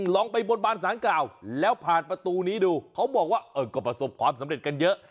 ลองไปบนบานสารกล่าวแล้วผ่านประตูนี้ดูเขาบอกว่าก็ประสบความสำเร็จกันเยอะ